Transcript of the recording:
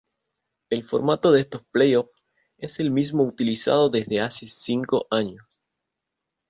El formato de estos "playoffs" es el mismo utilizado desde hace cinco años.